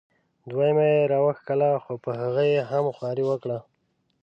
دویمه یې را وښکله خو په هغې یې هم خواري وکړه.